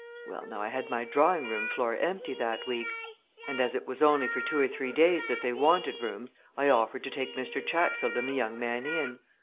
Well now, I had my drawing room floor empty that week, and as it was only for two or three days that they wanted rooms I offered to take Mr. Chatfield and the young man in.